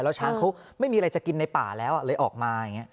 แล้วช้างเขาไม่มีอะไรจะกินในป่าแล้วเลยออกมาอย่างนี้